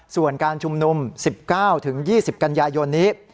ส่วนการชุมนุม๑๙๒๐กันยายนนี้